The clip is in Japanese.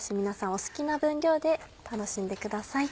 お好きな分量で楽しんでください。